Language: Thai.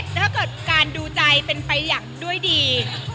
ถ้าเกิดการดูใจเป็นไปอย่างด้วยดี